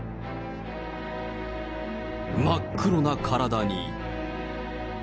真っ黒な体に。